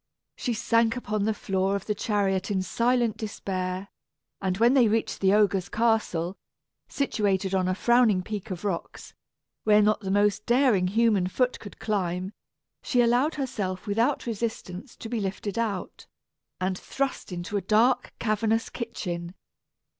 She sank upon the floor of the chariot in silent despair; and when they reached the ogre's castle, situated on a frowning peak of rocks, where not the most daring human foot could climb, she allowed herself without resistance to be lifted out, and thrust into a dark cavernous kitchen.